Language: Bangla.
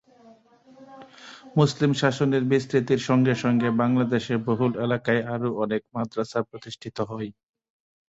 মুসলিম শাসনের বিস্তৃতির সঙ্গে সঙ্গে বাংলাদেশের বহু এলাকায় আরও অনেক মাদ্রাসা প্রতিষ্ঠিত হয়।